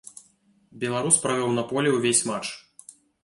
Беларус правёў на полі ўвесь матч.